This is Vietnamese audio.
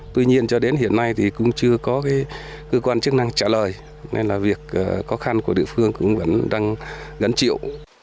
tuy nhiên cho đến hiện nay cũng chưa có cơ quan chức năng trả lời nên việc khó khăn của địa phương vẫn đang gắn chịu